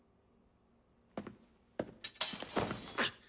くっ。